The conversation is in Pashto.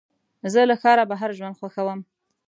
زه له ښاره بهر ژوند خوښوم.